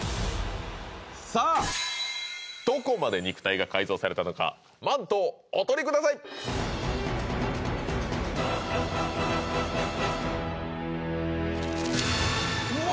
さあどこまで肉体が改造されたのかマントをお取りくださいうわ！